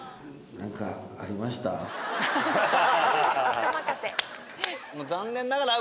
人任せ。